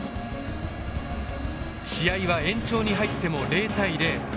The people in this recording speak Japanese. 試合は延長に入っても０対０。